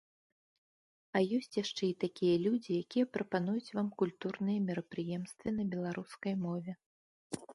А ёсць яшчэ і такія людзі, якія прапануюць вам культурныя мерапрыемствы на беларускай мове.